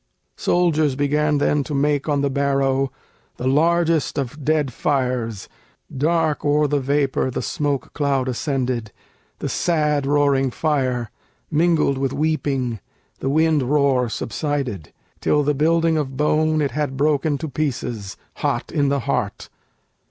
Soldiers began then to make on the barrow The largest of dead fires: dark o'er the vapor The smoke cloud ascended; the sad roaring fire, Mingled with weeping (the wind roar subsided) Till the building of bone it had broken to pieces, Hot in the heart.